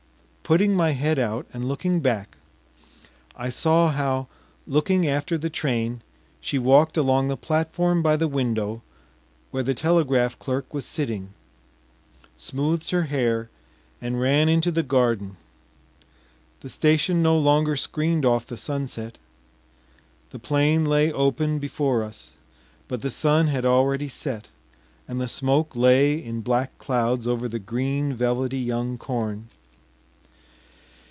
Putting my head out and looking back, I saw how, looking after the train, she walked along the platform by the window where the telegraph clerk was sitting, smoothed her hair, and ran into the garden. The station no longer screened off the sunset, the plain lay open before us, but the sun had already set and the smoke lay in black clouds over the green, velvety young corn.